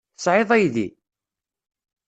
Tesɛiḍ aydi?